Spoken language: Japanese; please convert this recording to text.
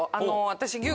私。